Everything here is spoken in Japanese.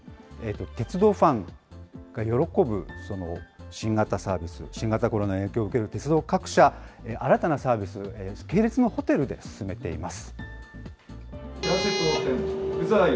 鉄道ファンが喜ぶ、新型サービス、新型コロナの影響を受ける鉄道各社、新たなサービス、系列のホテルで進めています。